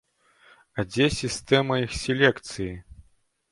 А дзе сістэма іх селекцыі?